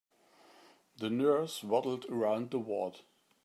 The nurse waddled around the ward.